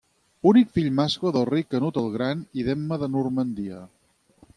Únic fill mascle del rei Canut el Gran i d'Emma de Normandia.